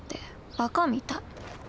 バカみたい。